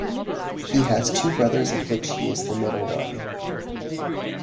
He has two brothers of which he is the middle one.